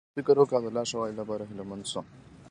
مثبت فکر وکړه او د لا ښوالي لپاره هيله مند شه .